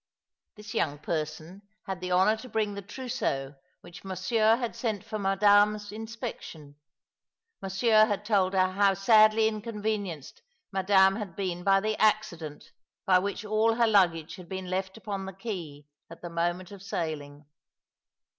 ' This young person had the honour to bring the trousseau which Monsieur had sent for Madame's inspection. Monsieur had told her how sadly inconvenienced Madame had been by the accident by which all her luggage had been left upon the quay at the moment of sailing.